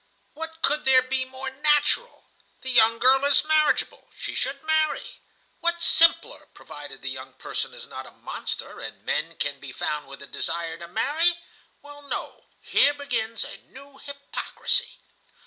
What could there be more natural? The young girl is marriageable, she should marry. What simpler, provided the young person is not a monster, and men can be found with a desire to marry? Well, no, here begins a new hypocrisy.